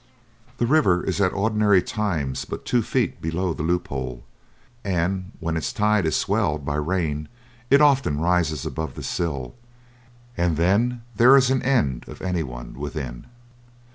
The river is at ordinary times but two feet below the loophole; and when its tide is swelled by rain it often rises above the sill, and then there is an end of any one within.